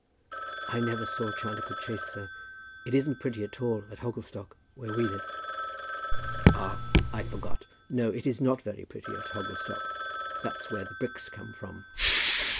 "I never saw Chaldicote Chase, sir. It isn't pretty at all at Hogglestock, where we live." "Ah, I forgot. No; it is not very pretty at Hogglestock. That's where the bricks come from."